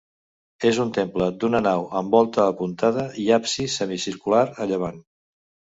És un temple d'una nau amb volta apuntada i absis semicircular a llevant.